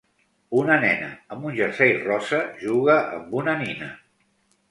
Una nena amb un jersei rosa juga amb una nina.